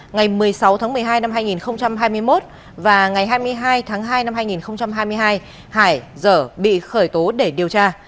ngày một mươi sáu một mươi hai hai nghìn hai mươi một và ngày hai mươi hai hai hai nghìn hai mươi hai hải giở bị khởi tố để điều tra